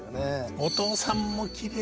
お父さんもきれいだね。